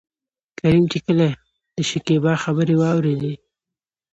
کريم چې کله دشکيبا خبرې واورېدې.